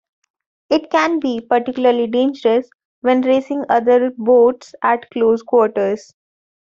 It can be particularly dangerous when racing other boats at close quarters.